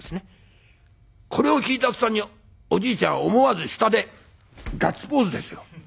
これを聞いた途端におじいちゃんは思わず下でガッツポーズですよ。